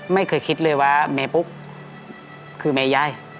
ไม่เคยคิดเลยว่าแม่ปุ๊กคือแม่ยาย